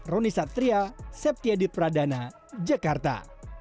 roni satria septiadi pradana jakarta